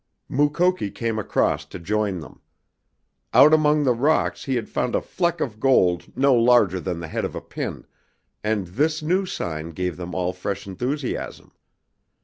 Mukoki came across to join them. Out among the rocks he had found a fleck of gold no larger than the head of a pin, and this new sign gave them all fresh enthusiasm.